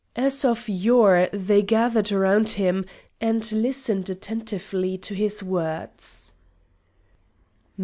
As of yore they gathered round him and listened attentively to his words.